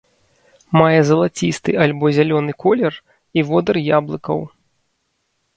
Мае залацісты альбо зялёны колер і водар яблыкаў.